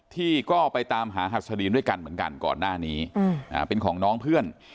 ที่ก็ไปตามหาหัสดีนด้วยกันเหมือนกันก่อนหน้านี้เป็นของน้องเพื่อน